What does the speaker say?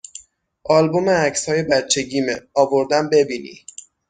آلبوم عکسهای بچگیمه، آوردم ببینی